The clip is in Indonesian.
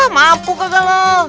mampu kok kalau